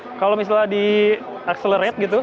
nggak ada yang di akseleret gitu